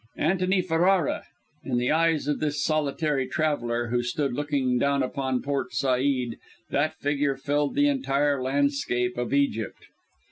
Antony Ferrara! In the eyes of this solitary traveller, who stood looking down upon Port Said, that figure filled the entire landscape of Egypt!